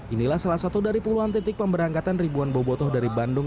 inilah salah satu dari puluhan titik pemberangkatan ribuan bobotoh dari bandung